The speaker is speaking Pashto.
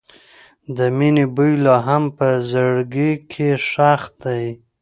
د مینې بوی لا هم په زړګي کې ښخ دی.